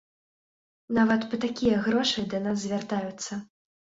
Нават па такія грошы да нас звяртаюцца.